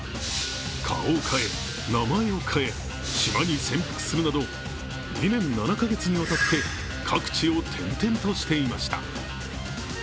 顔を変え、名前を変え島に潜伏するなど２年７か月にわたって各地を転々としていました。